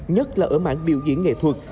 nhất là ở mảng biểu diễn nghệ thuật